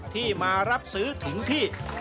ที่มารับซื้อถึงที่